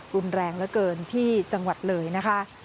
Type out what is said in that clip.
รุนแรงเหลือเกินที่จังหวัดเลยนะคะ